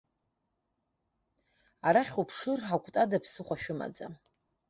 Арахь уԥшыр, акәты ада ԥсыхәа шәымаӡам.